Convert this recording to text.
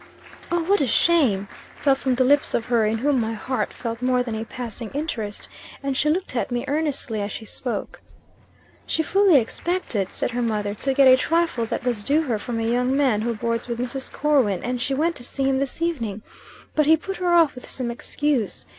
"'Oh, what a shame!' fell from the lips of her in whom my heart felt more than a passing interest; and she looked at me earnestly as she spoke. "'She fully expected,' said the mother, 'to get a trifle that was due her from a young man who boards with Mrs. Corwin; and she went to see him this evening. But he put her off with some excuse.